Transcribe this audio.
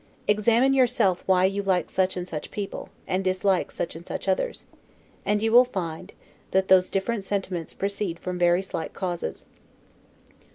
Examine yourself why you like such and such people, and dislike such and such others; and you will find, that those different sentiments proceed from very slight causes.